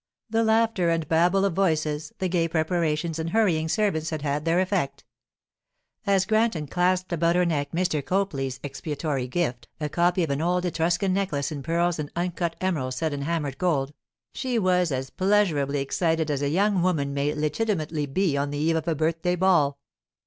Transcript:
The laughter and babel of voices, the gay preparations and hurrying servants, had had their effect. As Granton clasped about her neck Mr. Copley's expiatory gift—a copy of an old Etruscan necklace in pearls and uncut emeralds set in hammered gold—she was as pleasurably excited as a young woman may legitimately be on the eve of a birthday ball.